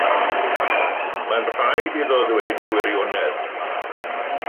Mae'n rhaid iddo ddweud y gwirionedd.